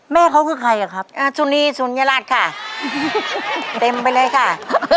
แม่เขาคือใครอ่ะครับสุนีสุนยรัฐค่ะเต็มไปเลยค่ะ